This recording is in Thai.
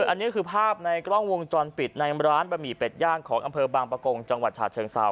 อันนี้คือภาพในกล้องวงจรปิดในร้านบะหมี่เป็ดย่างของอำเภอบางประกงจังหวัดฉาเชิงเซา